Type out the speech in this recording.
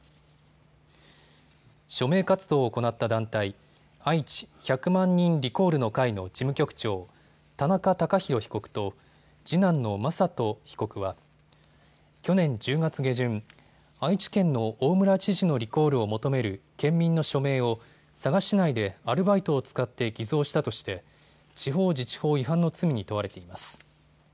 署名活動を行った団体、愛知１００万人リコールの会の事務局長、田中孝博被告と次男の雅人被告は去年１０月下旬、愛知県の大村知事のリコールを求める県民の署名を佐賀市内でアルバイトを使って偽造したとして地方自治法違反の罪に問われています。